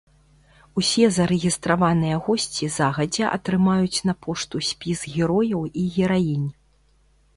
Усе зарэгістраваныя госці загадзя атрымаюць на пошту спіс герояў і гераінь.